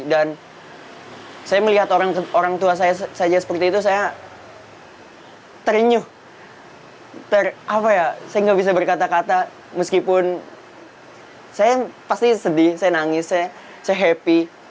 dan saya melihat orang tua saya seperti itu saya terinyuh saya tidak bisa berkata kata meskipun saya pasti sedih saya nangis saya happy